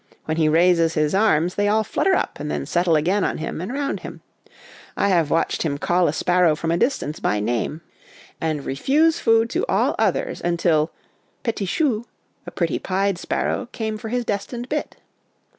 When he raises his arms they all flutter up and then settle again on him and round him. I have watched him call a sparrow from a dis tance by name and refuse food to all others till 60 HOME EDUCATION 'petit choul a pretty pied sparrow, came for his destined bit.